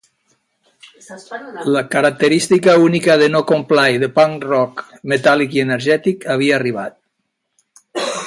La característica única de NoComply de "punk rock metàl·lic i energètic" havia arribat.